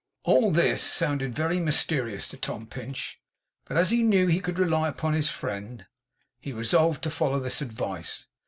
All this sounded very mysterious to Tom Pinch. But as he knew he could rely upon his friend, he resolved to follow this advice.